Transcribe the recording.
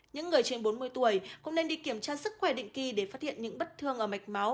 những người trên bốn mươi tuổi cũng nên đi kiểm tra sức khỏe định kỳ để phát hiện những bất thương ở mạch máu